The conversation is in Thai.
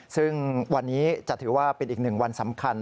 ซึ่งวันนี้จะถือว่าเป็นอีกหนึ่งวันสำคัญ